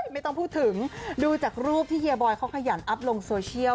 ไม่ต้องพูดถึงดูจากรูปที่เฮียบอยเขาขยันอัพลงโซเชียล